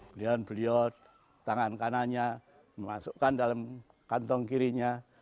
belian beliot tangan kanannya memasukkan dalam kantong kirinya